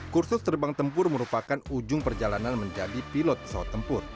kursus terbang tempur merupakan ujung perjalanan menjadi pilot pesawat tempur